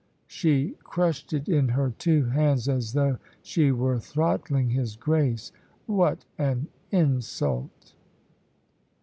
She crushed it in her two hands, as though she were throttling his Grace. "What an insult!"